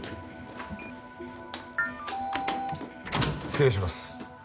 失礼します。